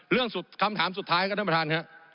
เรื่องคำถามสุดท้ายครับท่านประธานครับ